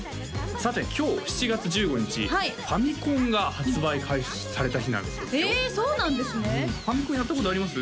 さて今日７月１５日ファミコンが発売開始された日なんだそうですよへえそうなんですねファミコンやったことあります？